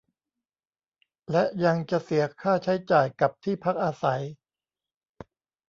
และยังจะเสียค่าใช้จ่ายกับที่พักอาศัย